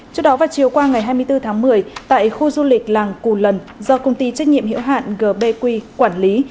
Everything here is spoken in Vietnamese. trước đó vào chiều qua ngày hai mươi bốn tháng một mươi tại khu du lịch làng cù lần do công ty trách nhiệm hiệu hạn gbq quản lý